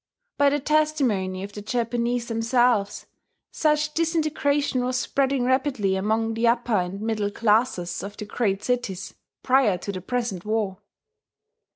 By the testimony of the Japanese themselves, such disintegration was spreading rapidly among the upper and middle classes of the great cities, prior to the present war.